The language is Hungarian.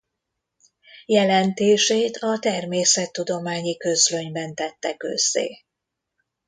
Jelentését a Természettudományi Közlönyben tette közzé.